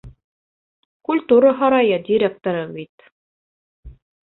Культура һарайы директоры бит.